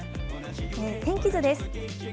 天気図です。